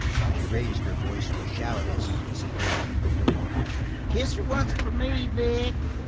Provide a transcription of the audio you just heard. She raised her voice to a shout as he disappeared through the outer door. "Kiss her once for me, Vic."